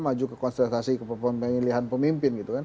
maju ke konsultasi pemilihan pemimpin